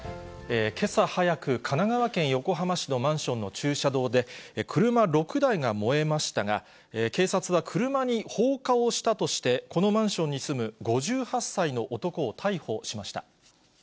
けさ早く、神奈川県横浜市のマンションの駐車場で、車６台が燃えましたが、警察は車に放火をしたとして、このマンションに住む５８歳の男を逮捕しました。